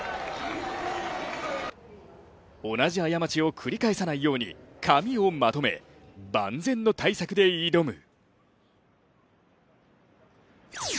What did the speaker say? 同じ過ちを繰り返さないように髪をまとめ、万全の対策で挑む。